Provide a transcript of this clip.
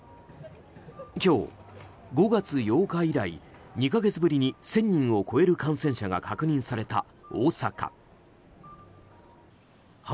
今日、５月８日以来２か月ぶりに１０００人を超える感染者が確認された大阪。